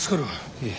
いえ。